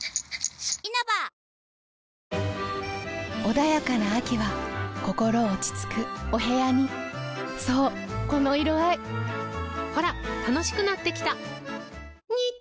穏やかな秋は心落ち着くお部屋にそうこの色合いほら楽しくなってきた！